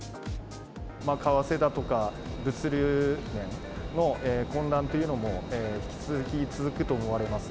為替だとか、物流面の混乱というのも、引き続き続くと思われます。